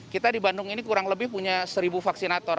kita di bandung ini kurang lebih punya seribu vaksinator